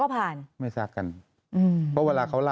แต่ได้ยินจากคนอื่นแต่ได้ยินจากคนอื่น